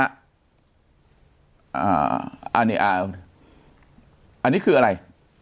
อ่าอันนี้อ่าอันนี้คืออะไร